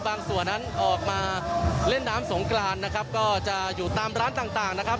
ส่วนนั้นออกมาเล่นน้ำสงกรานนะครับก็จะอยู่ตามร้านต่างต่างนะครับ